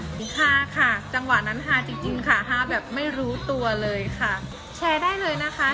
นี่ค่าค่ะจังหวะนั้นค่าจริงค่ะ